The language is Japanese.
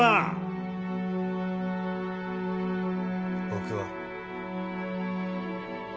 僕は。